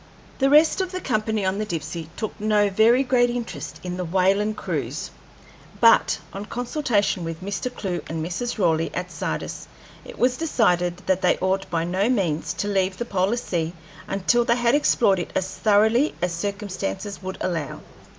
The rest of the company on the Dipsey took no very great interest in the whaling cruise, but, on consultation with Mr. Clewe and Mrs. Raleigh at Sardis, it was decided that they ought by no means to leave the polar sea until they had explored it as thoroughly as circumstances would allow.